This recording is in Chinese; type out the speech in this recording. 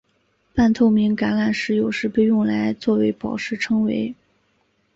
半透明橄榄石有时被用来作为宝石称为。